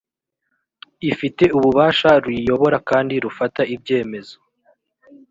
ifite ububasha ruyiyobora kandi rufata ibyemezo